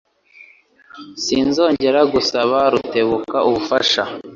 Sinzongera gusaba Rutebuka ubufasha.